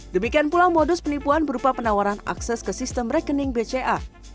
demikian pula modus penipuan berupa penawaran akses ke sistem rekening bca